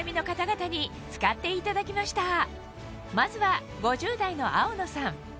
まずは５０代のアオノさん